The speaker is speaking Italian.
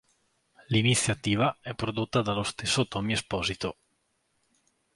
L'iniziativa è prodotta dallo stesso Tommy Esposito.